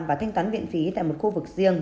và thanh toán viện phí tại một khu vực riêng